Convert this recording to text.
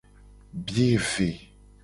Biye ve.